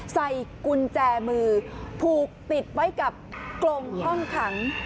ใส่กุญแจมือผูกติดไว้กับกรงห้องขัง